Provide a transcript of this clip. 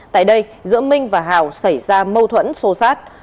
tại đây giữa minh và hào xảy ra mâu thuẫn xô xát